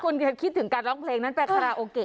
คุณคิดถึงการร้องเพลงนั้นไปคาราโอเกะ